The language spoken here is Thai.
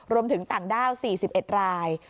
รวมถึงต่างด้าว๔๑ราย